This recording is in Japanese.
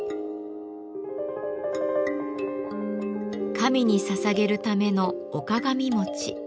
神にささげるための御鏡餅。